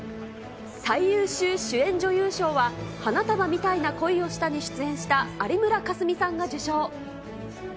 最優秀主演女優賞は、花束みたいな恋をしたに出演した有村架純さんが受賞。